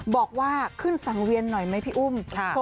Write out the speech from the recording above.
บอกว่าขึ้นสังเวียนหน่อยไหมพี่อุ้ม